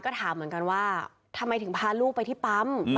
ขอบคุณครับ